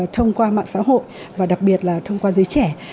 thông qua mạng xã hội và đặc biệt là thông qua giới trẻ